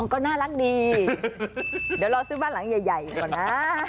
ก็น่ารักดีเดี๋ยวรอซื้อบ้านหลังใหญ่ก่อนนะ